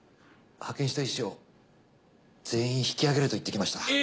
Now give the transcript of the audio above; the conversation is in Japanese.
派遣した医師を全員引き上げると言ってきました。